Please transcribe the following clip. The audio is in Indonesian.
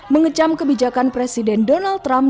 mengecam kebijakan presiden donald trump